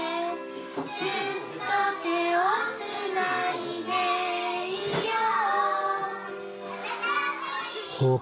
「ずっと手をつないでいよう」